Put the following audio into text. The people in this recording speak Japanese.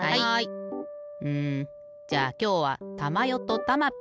うんじゃあきょうはたまよとたまピー。